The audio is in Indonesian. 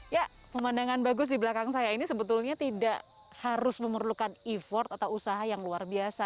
ya pemandangan bagus di belakang saya ini sebetulnya tidak harus memerlukan effort atau usaha yang luar biasa